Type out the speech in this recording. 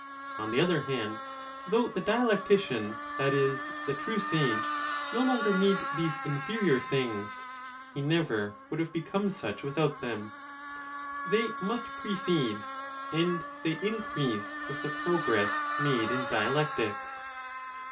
On the other hand, though the dialectician, that is, the true sage, no longer need these inferior things, he never would have become such without them; they must precede, and they increase with the progress made in dialectics.